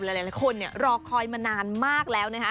หลายคนรอคอยมานานมากแล้วนะคะ